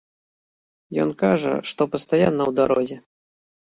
Ён кажа, што пастаянна ў дарозе.